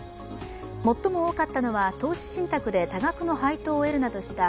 最も多かったのは、投資信託で多額の配当を得るなどした